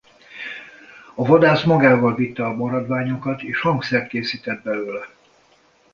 A vadász magával vitte a maradványokat és hangszert készített belőle.